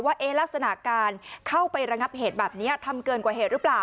ว่าลักษณะการเข้าไประงับเหตุแบบนี้ทำเกินกว่าเหตุหรือเปล่า